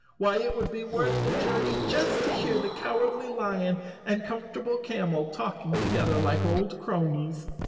Why, it would be worth the journey just to hear the Cowardly Lion and Comfortable Camel talking together like old cro¬ nies.